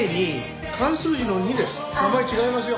名前違いますよ。